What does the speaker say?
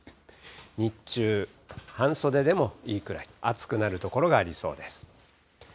日中、半袖でもいいくらい、暑くなる所がありそうです。